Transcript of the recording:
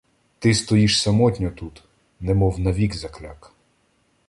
Ти стоїш самотньо тут, Немов навік закляк.